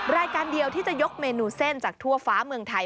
รายการเดียวที่จะยกเมนูเส้นจากทั่วฟ้าเมืองไทย